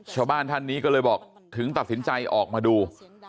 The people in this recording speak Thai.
ชาวบ้านท่านนี้ก็เลยบอกถึงตัดสินใจออกมาดู